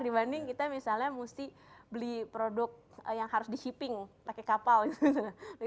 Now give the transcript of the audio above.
dibanding kita misalnya mesti beli produk yang harus di shipping pakai kapal gitu